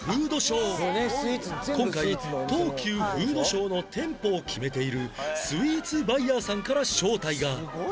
今回東急フードショーの店舗を決めているスイーツバイヤーさんから招待が